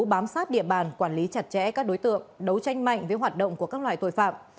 bám sát địa bàn quản lý chặt chẽ các đối tượng đấu tranh mạnh với hoạt động của các loại tội phạm